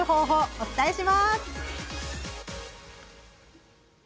お伝えします。